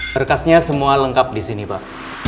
berkasnya semua lengkap di sini pak